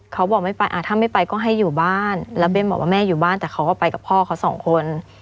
เขาบอกไม่ไปถ้าไม่ไปก็ให้อยู่บ้านแล้วเบ้นบอกว่าแม่อยู่บ้านแต่เขาก็ไปกับพ่อเขาสองคน